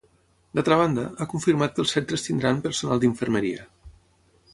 D'altra banda, ha confirmat que els centres tindran personal d'infermeria.